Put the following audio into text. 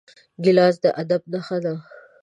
ګیلاس د ادب نښه ده.